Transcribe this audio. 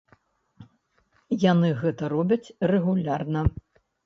Яны гэта робяць рэгулярна.